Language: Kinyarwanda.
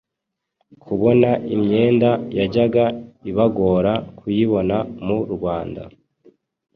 kubona imyenda yajyaga ibagora kuyibona mu Rwanda